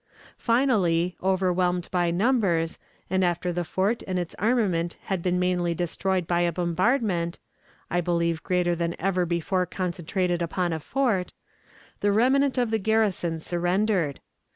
Finally, overwhelmed by numbers, and after the fort and its armament had been mainly destroyed by a bombardment I believe greater than ever before concentrated upon a fort the remnant of the garrison surrendered.